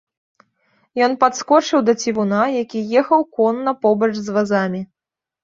Ён падскочыў да цівуна, які ехаў конна побач з вазамі.